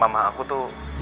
mama aku tuh